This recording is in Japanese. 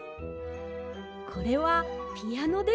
これはピアノですね。